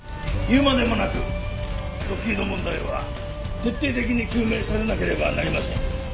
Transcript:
言うまでもなくロッキード問題は徹底的に究明されなければなりません。